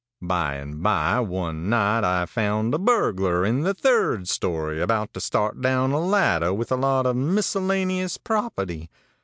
By and by, one night, I found a burglar in the third story, about to start down a ladder with a lot of miscellaneous property.